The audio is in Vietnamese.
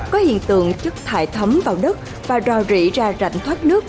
có hiện tượng chất thải thấm vào đất và rào rỉ ra rảnh thoát nước